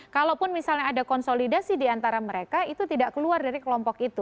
kalaupun misalnya ada konsolidasi diantara mereka itu tidak keluar dari kelompok itu